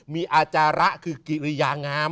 มีอาจาระคือกิริยางาม